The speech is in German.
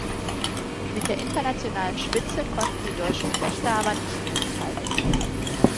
Mit der internationalen Spitze konnten die deutschen Fechter aber nicht mehr mithalten.